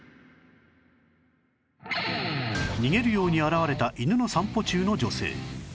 逃げるように現れた犬の散歩中の女性